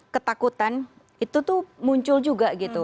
ketakutan itu tuh muncul juga gitu